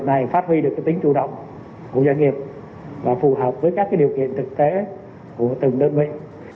chúng ta phải phát huy được cái tính chủ động của doanh nghiệp và phù hợp với các điều kiện thực tế của từng đơn vị